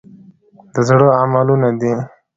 د زړه عملونه دي .